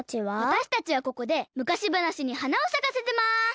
わたしたちはここでむかしばなしにはなをさかせてます。